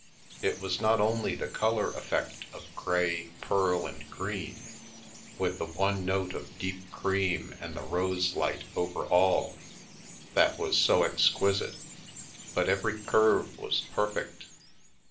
It was not only the colour effect of grey, pearl and green, with the one note of deep cream and the rose light over all, that was so exquisite, but every curve was perfect.